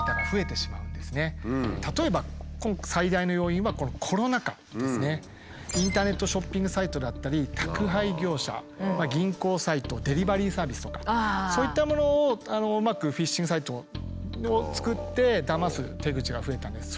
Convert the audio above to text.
年々巧妙化になって例えばインターネットショッピングサイトだったり宅配業者銀行サイトデリバリーサービスとかそういったものをうまくフィッシングサイトを作ってだます手口が増えたんです。